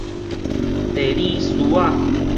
地理師仔